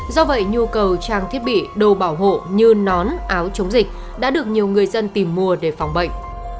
do vậy nhu cầu trang thiết bị đồ bảo hộ như nón áo chống dịch đã được nhiều người dân tìm mua để phòng bệnh